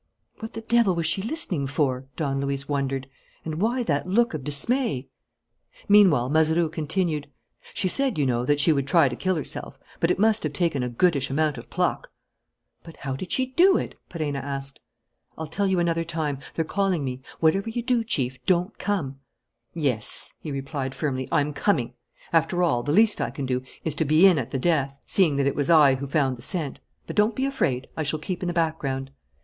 "What the devil was she listening for?" Don Luis wondered. "And why that look of dismay?" Meanwhile, Mazeroux continued: "She said, you know, that she would try to kill herself. But it must have taken a goodish amount of pluck." "But how did she do it?" Perenna asked. "I'll tell you another time. They're calling me. Whatever you do, Chief, don't come." "Yes," he replied, firmly, "I'm coming. After all, the least I can do is to be in at the death, seeing that it was I who found the scent. But don't be afraid. I shall keep in the background."